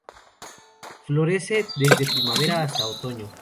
Florece desde primavera hasta otoño.